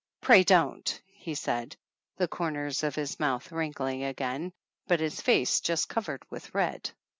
"Pray don't," he said, the corners of his mouth wrinkling again, but his face just cov ered with red.